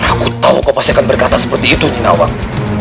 aku tahu kau pasti akan berkata seperti itu nyinawang